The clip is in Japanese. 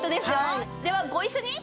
ではご一緒に！